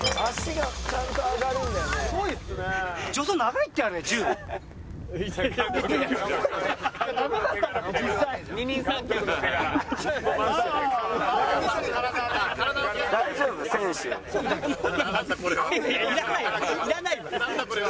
いらないわ！